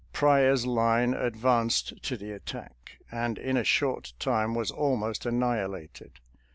Pryor's line advanced to the attack, and in a short time was almost annihilated.